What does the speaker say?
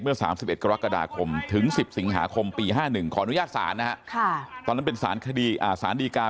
เมื่อ๓๑กรกฎาคมถึง๑๐สิงหาคมปี๕๑ขออนุญาตศาลตอนนั้นเป็นศาลดีการ